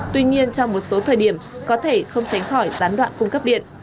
tuy nhiên trong một số thời điểm có thể không tránh khỏi gián đoạn cung cấp điện